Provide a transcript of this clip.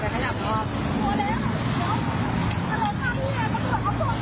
เขาเบรกแล้วพี่เขาขีดตามท้ายมาอยู่แล้วจริงจริงเห็นกระตาเลย